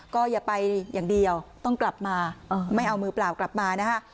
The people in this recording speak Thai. ก็อย่าไปอย่างเดียวต้องกลับมาไม่เอามือเปล่ากลับมานะฮะ